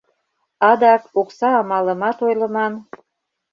Адак окса амалымат ойлыман.